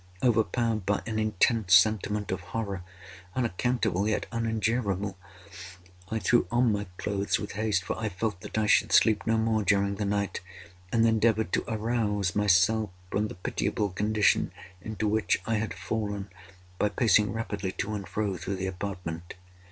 Overpowered by an intense sentiment of horror, unaccountable yet unendurable, I threw on my clothes with haste (for I felt that I should sleep no more during the night), and endeavored to arouse myself from the pitiable condition into which I had fallen, by pacing rapidly to and fro through the apartment.